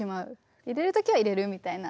入れるときは入れるみたいな。